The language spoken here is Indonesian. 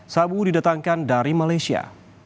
sabu didatangkan dari malaysia